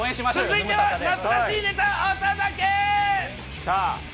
続いては懐かしいネタお届け。